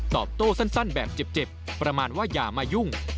โต้สั้นแบบเจ็บประมาณว่าอย่ามายุ่ง